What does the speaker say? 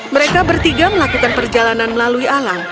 mereka bertiga melakukan perjalanan melalui alam